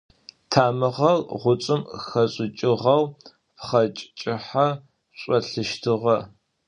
Тамыгъэр гъучӏым хэшӏыкӏыгъэу пхъэкӏ кӏыхьэ шӏолъыщтыгъэ.